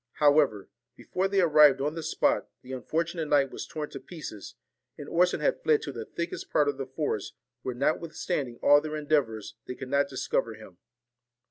However, before they arrived on the spot, the unfortunate knight was torn to pieces, and Orson had fled to the thickest part of the forest, where, notwithstanding all their endeavours, they could not discover him.